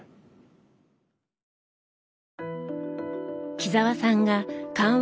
木澤さんが緩和